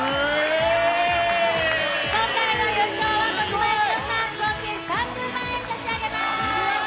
今回の優勝は小島よしおさん、賞金３０万円差し上げます。